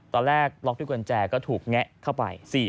ตอนแรกล็อกด้วยกุญแจก็ถูกแงะเข้าไป